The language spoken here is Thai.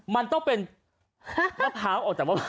มันต้องเป็นมะพู้ออกจากต้นมะพู